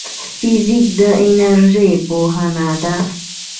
فزیک د انرژۍ پوهنه ده